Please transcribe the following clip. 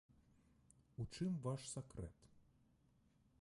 У чым ваш сакрэт?